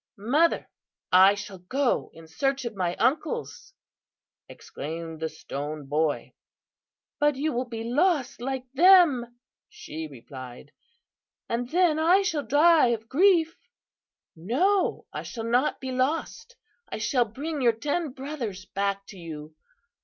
"'Mother, I shall go in search of my uncles,' exclaimed the Stone Boy. "'But you will be lost like them,' she replied, 'and then I shall die of grief.' "'No, I shall not be lost. I shall bring your ten brothers back to you.